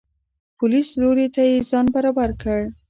د پولیس لوري ته یې ځان برابر کړ.